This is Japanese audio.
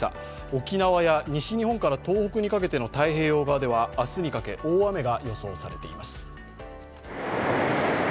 沖縄や西日本から東北にかけての太平洋側では明日にかけ大雨が予想されています。